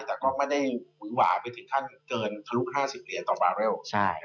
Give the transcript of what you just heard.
แต่ก็ไม่ได้หวือหวาไปถึงขั้นเกินทะลุ๕๐เหรียญต่อบาร์เรล